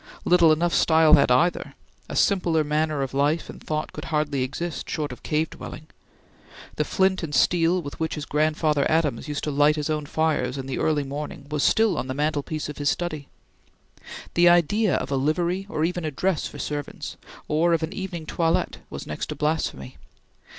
Little enough style had either; a simpler manner of life and thought could hardly exist, short of cave dwelling. The flint and steel with which his grandfather Adams used to light his own fires in the early morning was still on the mantelpiece of his study. The idea of a livery or even a dress for servants, or of an evening toilette, was next to blasphemy.